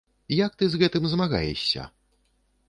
Як ты з гэтым змагаешся?